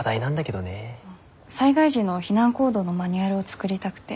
災害時の避難行動のマニュアルを作りたくて。